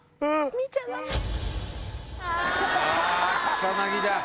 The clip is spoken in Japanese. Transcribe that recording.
草薙だ。